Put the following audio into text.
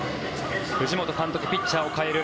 藤本監督、ピッチャーを代える。